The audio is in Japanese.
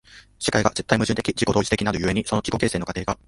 世界が絶対矛盾的自己同一的なる故に、その自己形成の過程が